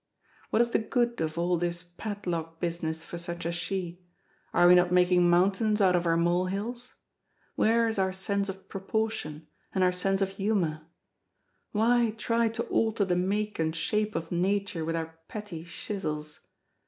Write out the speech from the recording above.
What is the good of all this padlock business for such as she; are we not making mountains out of her mole hills? Where is our sense of proportion, and our sense of humour? Why try to alter the make and shape of Nature with our petty chisels?